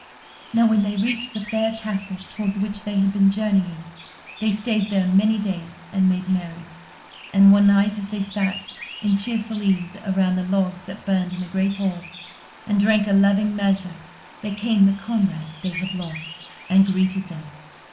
Now, when they reached the fair castle towards which they had been journeying, they stayed there many days, and made merry; and one night, as they sat in cheerful ease around the logs that burned in the great hall, and drank a loving measure, there came the comrade they had lost, and greeted them.